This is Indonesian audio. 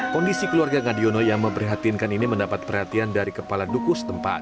kondisi keluarga ngadiono yang memprihatinkan ini mendapat perhatian dari kepala dukus tempat